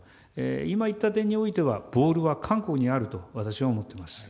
今言った点においては、ボールは韓国にあると私は思っております。